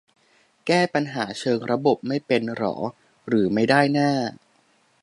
แก้ปัญหาเชิงระบบไม่เป็นเหรอ หรือไม่ได้หน้า